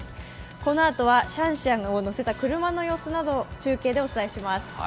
このあとはシャンシャンを乗せた車の様子など中継でお伝えします。